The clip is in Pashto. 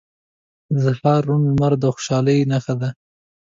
• د سهار روڼ لمر د خوشحالۍ نښه ده.